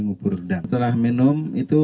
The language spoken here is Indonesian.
ngubur dan setelah minum itu